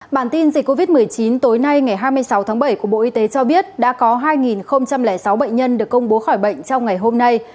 bản tin dịch covid một mươi chín tối nay ngày hai mươi sáu tháng bảy của bộ y tế cho biết đã có hai sáu bệnh nhân được công bố khỏi bệnh trong ngày hôm nay